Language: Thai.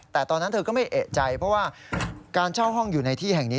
แต่ตอนนั้นเธอก็ไม่เอกใจเพราะว่าการเช่าห้องอยู่ในที่แห่งนี้